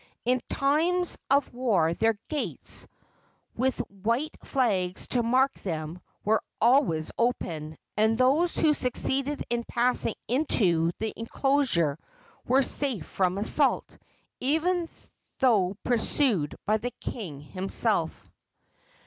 In times of war their gates, with white flags to mark them, were always open, and those who succeeded in passing into the enclosure were safe from assault, even though pursued by the king himself.